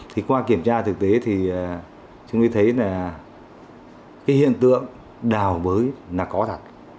thì qua kiểm tra thực tế thì chúng tôi thấy là cái hiện tượng đào bới là có thật